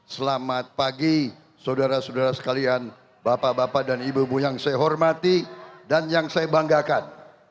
selamat pagi saudara saudara sekalian bapak bapak dan ibu ibu yang saya hormati dan yang saya banggakan